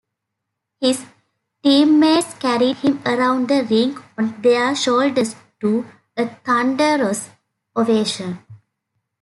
His teammates carried him around the rink on their shoulders to a thunderous ovation.